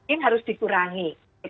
ini harus dikurangi